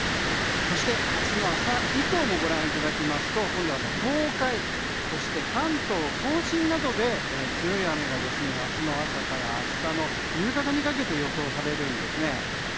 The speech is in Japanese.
そして、明日の朝以降もご覧いただきますと今度は東海や関東・甲信などで強い雨が明日の朝から明日の夕方にかけて予想されるんですね。